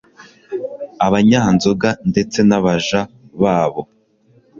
abanyanzoga ndetse n'abaja babo